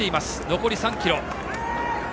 残り３ｋｍ。